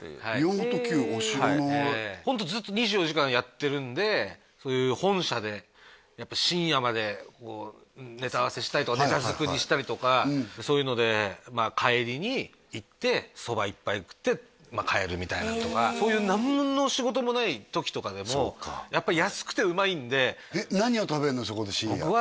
知らないホントずっと２４時間やってるんでそういう本社でやっぱ深夜までネタ合わせしたりとかネタ作りしたりとかそういうので帰りに行ってそば１杯食って帰るみたいなのとかそういう何の仕事もない時とかでもやっぱ安くてうまいんで何を食べるの？